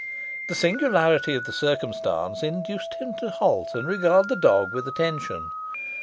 The singularity of the circumstance induced him to halt and regard the dog with attention.